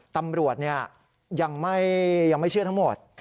ตำรวจยังไม่เชื่อทั้งหมด